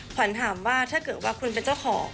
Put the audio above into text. ขวัญถามว่าถ้าเกิดว่าคุณเป็นเจ้าของ